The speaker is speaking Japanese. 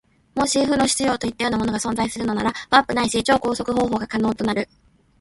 もし負の質量といったようなものが存在するなら、ワープないし超光速航法が可能となる。